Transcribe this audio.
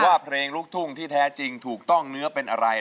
เพลงลูกทุ่งที่แท้จริงถูกต้องเนื้อเป็นอะไร